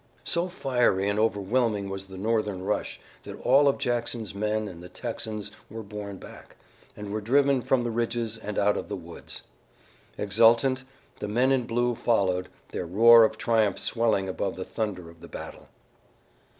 So fierce and overwhelming was the Northern rush that all of Jackson's men and the Texans were borne back, and were driven from the ridges and out of the woods. Exultant, the men in blue followed, their roar of triumph swelling above the thunder of the battle.